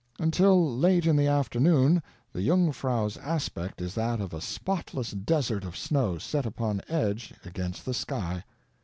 Until late in the afternoon the Jungfrau's aspect is that of a spotless desert of snow set upon edge against the sky.